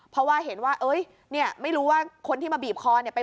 เพราะว่าเห็นว่าเอ้ยเนี่ยไม่รู้ว่าคนที่มาบีบคอเนี่ย